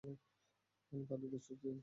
কেন তার হৃদয়ে সূঁচ দিয়ে ছিদ্র করছো?